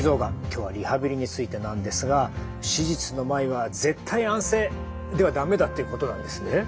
今日はリハビリについてなんですが手術の前は絶対安静では駄目だということなんですね？